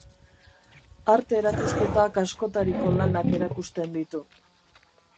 Arte erakusketak askotariko lanak erakusten ditu.